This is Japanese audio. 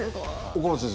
岡部先生